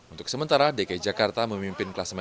untuk sementara dki jakarta memimpin kelas menengah